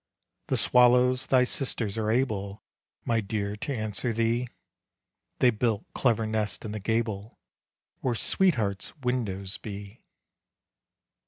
The swallows, thy sisters, are able My dear, to answer thee. They built clever nests in the gable, Where sweetheart's windows be.